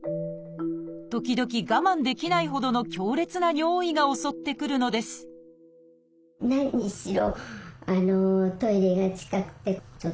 時々我慢できないほどの強烈な尿意が襲ってくるのです何しろ